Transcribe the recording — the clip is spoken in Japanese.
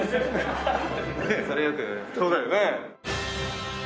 そうだよね。